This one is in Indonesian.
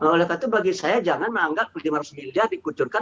oleh karena itu bagi saya jangan menganggap lima ratus miliar dikucurkan untuk usaha mikro